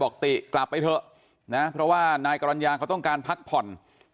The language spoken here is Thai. ติกลับไปเถอะนะเพราะว่านายกรรณญาเขาต้องการพักผ่อน